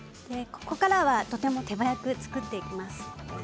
ここからはとても手早く作っていきます。